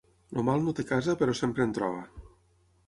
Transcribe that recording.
El mal no té casa, però sempre en troba.